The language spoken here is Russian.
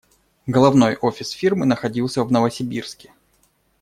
Головной офис фирмы находился в Новосибирске.